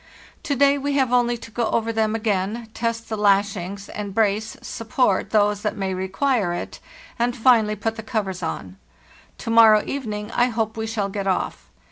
To day we have only to go over them again, test the lashings, and brace (support) those that may require it, and finally put the covers on. To morrow evening I hope we shall get off.